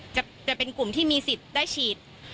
จะเป็นกลุ่มที่มีสิทธิ์ได้ฉีด